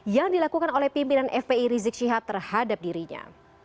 yang dilakukan oleh pimpinan fpi rizik syihab terhadap dirinya